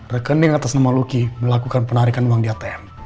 rekening atas nama luki melakukan penarikan uang di atm